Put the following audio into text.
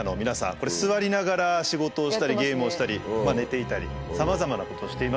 これ座りながら仕事をしたりゲームをしたり寝ていたりさまざまなことをしていますよね。